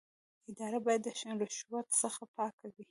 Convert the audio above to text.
اداره باید د رشوت څخه پاکه وي.